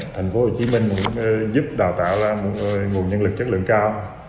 tp hcm cũng giúp đào tạo ra một nguồn nhân lực chất lượng cao